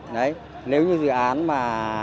nếu như dự án mà